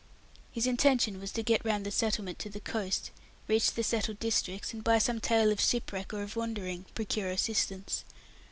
His intention was to get round the settlement to the coast, reach the settled districts, and, by some tale of shipwreck or of wandering, procure assistance.